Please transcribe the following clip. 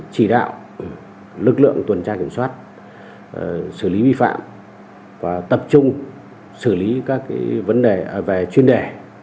chỉ đạo lực lượng tuần tra kiểm soát xử lý vi phạm và tập trung xử lý các vấn đề về chuyên đề